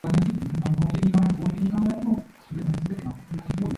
His songs are full of sexual innuendo and double entendres.